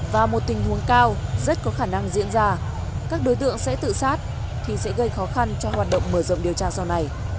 và một tình huống cao rất có khả năng diễn ra các đối tượng sẽ tự sát thì sẽ gây khó khăn cho hoạt động mở rộng điều tra sau này